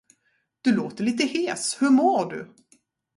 Du låter lite hes, hur mår du?